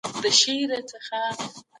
هغه مجبور شو یاران بهر ته واستوي.